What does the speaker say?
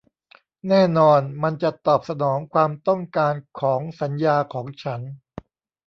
แน่นอนมันจะตอบสนองความต้องการของสัญญาของฉัน